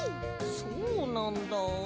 そうなんだ。